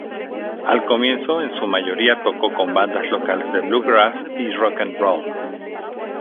Al comienzo en su mayoría tocó con bandas locales de bluegrass y rock'n'roll.